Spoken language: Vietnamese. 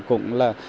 thì cũng là